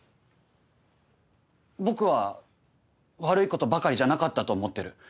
僕は悪いことばかりじゃなかったと思ってる。